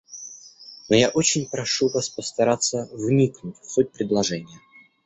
Но я очень прошу Вас постараться вникнуть в суть предложения».